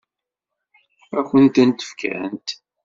Ad kent-tent-fkent?